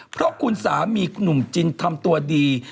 เพราะคุณสามีคุณหนุ่มจินทำตัวดี